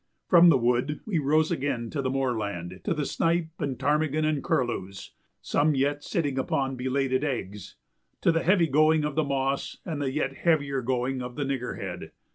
From the wood we rose again to the moorland to the snipe and ptarmigan and curlews, some yet sitting upon belated eggs to the heavy going of the moss and the yet heavier going of niggerhead.